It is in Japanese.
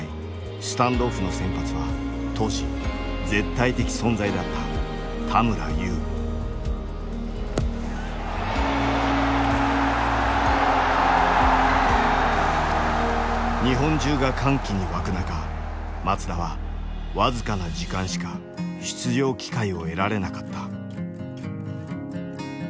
スタンドオフの先発は当時絶対的存在だった日本中が歓喜に沸く中松田はわずかな時間しか出場機会を得られなかった。